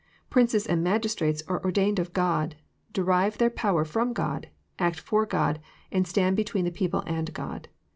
Princes and magistrates are ordained of God, derive their power from God, act for God, and stand between the people and God.